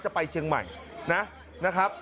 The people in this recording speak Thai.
จะไปเชียงใหม่นะครับ